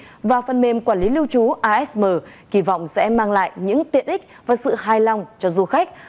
và phần mềm quản lý lưu trú asm kỳ vọng sẽ mang lại những tiện ích và sự hài lòng cho du khách